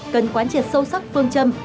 cần quán triệt sâu sắc phương châm